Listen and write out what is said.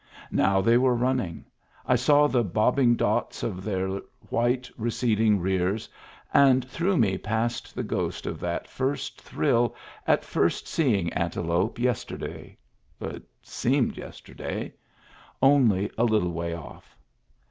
Now they were running ; I saw the bobbing dots of their white receding rears, and through me passed the ghost of that first thrill at first seeing antelope yesterday — it seemed yesterday: only a little way off.